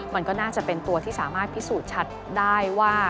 มันก็น่าจะเป็นตัวที่สามารถพิสูจน์ชัดได้ว่า